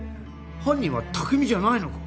犯人は拓未じゃないのか？